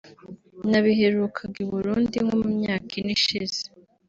nabiherukaga i Burundi nko mu myaka ine ishize